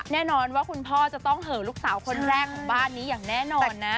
แน่นอนว่าคุณพ่อจะต้องเหอะลูกสาวคนแรกของบ้านนี้อย่างแน่นอนนะ